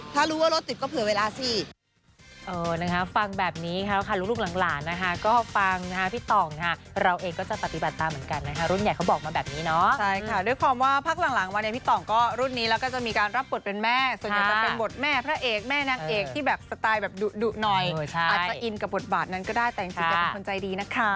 ถ้ารู้ว่ารถติดก็เผื่อเวลาสิง